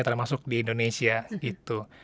terus masuk di indonesia gitu